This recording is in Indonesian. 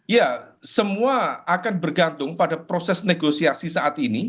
ya semua akan bergantung pada proses negosiasi saat ini